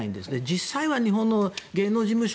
実際は日本の芸能事務所